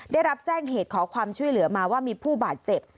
ได้รับแจ้งเหตุขอความช่วยเหลือมาว่ามีผู้บาดเจ็บ